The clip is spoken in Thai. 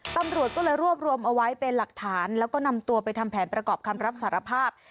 ตำรวจก็เลยรวบรวมเอาไว้เป็นหลักฐานแล้วก็นำตัวไปทำแผนประกอบคำรับสารภาพ